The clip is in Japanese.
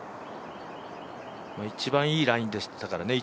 一番いいラインでしたからね。